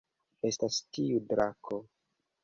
Estas tiu drako